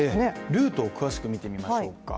ルートを詳しく見てみましょうか。